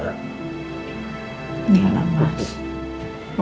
ya lah mas